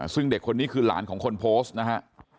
ซึ่งเด็กคนนี้คือหลานของคนโพสต์นะฮะ